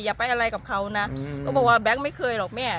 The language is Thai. อย่าไปอะไรกับเขานะก็บอกว่าแบงค์ไม่เคยหรอกแม่